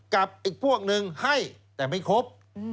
กับอีกพวกนึงให้แต่ไม่ครบ